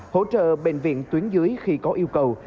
hỗ trợ bệnh viện tuyến dưới khi có yêu cầu